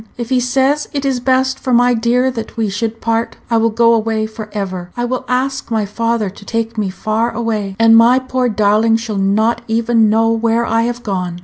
"If he says it is best for my dear that we should part, I will go away for ever. I will ask my father to take me far away, and my poor darling shall not even know where I have gone.